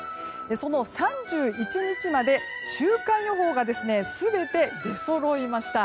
その３１日まで週間予報が全て出そろいました。